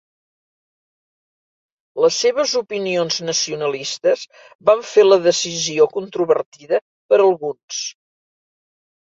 Les seves opinions nacionalistes van fer la decisió controvertida per alguns.